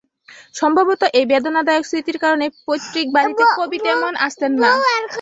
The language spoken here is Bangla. সম্ভবত একই বেদনাদায়ক স্মৃতির কারণেই পৈতৃক বাড়িতে কবি তেমন আসতেন না।